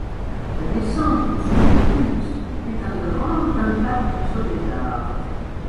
La naissance de ce nouveau culte eut un grand impact sur les arts.